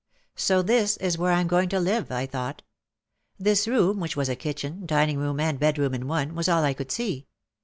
So this is where I am going to live, I thought. This room which was a kitchen, dining room and bedroom in one, was all I could see.